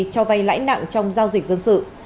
cho vay lãi nặng trong giao dịch dân sự